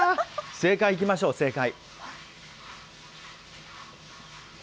正解いきましょう、正解。